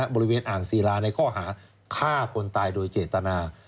บริเวณอ่างศิลาในข้อหาฆ่าคนตายโดยเจตนา